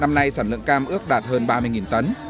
năm nay sản lượng cam ước đạt hơn ba mươi tấn